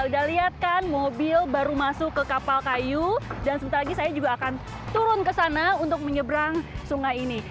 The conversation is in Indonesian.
dan sebentar lagi saya juga akan turun ke sana untuk menyeberang sungai ini